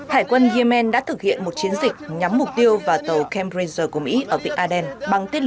hải quân yemen đã thực hiện một chiến dịch nhắm mục tiêu vào tàu camp razor của mỹ